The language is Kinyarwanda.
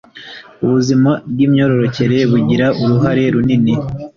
Ubuzima bw’imyororokere bugira uruhare runini